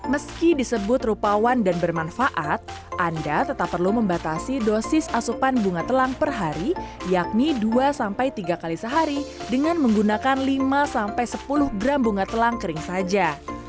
meski disebut rupawan dan bermanfaat anda tetap perlu membatasi dosis asupan bunga telang per hari yakni dua tiga kali sehari dengan menggunakan lima sampai sepuluh gram bunga telang kering saja